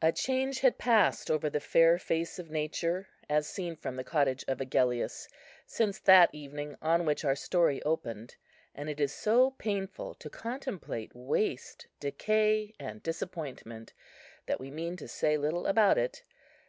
A change had passed over the fair face of Nature, as seen from the cottage of Agellius, since that evening on which our story opened; and it is so painful to contemplate waste, decay, and disappointment, that we mean to say little about it.